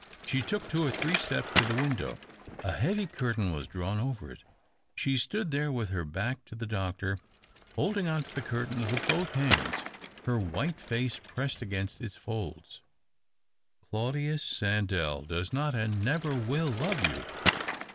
She took two or three steps to the window. A heavy curtain was drawn over it. She stood there with her back to the doctor, holding on to the curtains with both hands, her white face pressed against its folds. " Claudius Sandell does not and never will love you.